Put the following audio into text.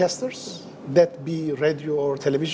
yang ada di radio atau televisi